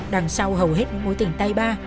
đằng sau hầu hết những mối tình tay ba